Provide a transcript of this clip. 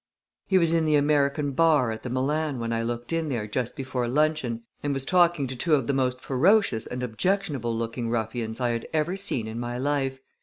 He was in the American bar at the Milan when I looked in there just before luncheon and was talking to two of the most ferocious and objectionable looking ruffians I had ever seen in my life.